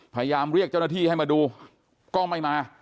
พยายามเรียกเจ้าหน้าที่ให้มาดูก็ไม่มา